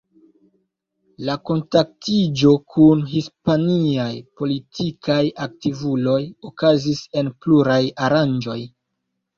La kontaktiĝo kun hispaniaj politikaj aktivuloj okazis en pluraj aranĝoj.